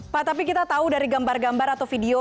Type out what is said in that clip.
pak tapi kita tahu dari gambar gambar atau video